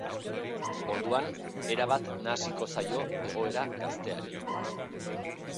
Orduan, erabat nahasiko zaio egoera gazteari.